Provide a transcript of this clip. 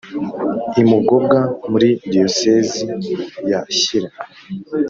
i Mugombwa muri Diyosezi ya shyira